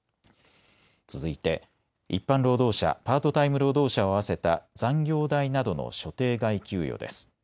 続いて一般労働者、パートタイム労働者を合わせた残業代などの所定外給与です。